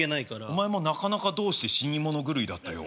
お前もなかなかどうして死に物狂いだったよ。